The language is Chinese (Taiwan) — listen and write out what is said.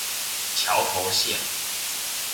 橋頭線